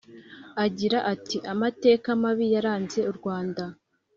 agira ati “amateka mabi yaranze u rwanda